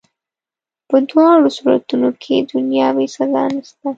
په دواړو صورتونو کي دنیاوي سزا نسته.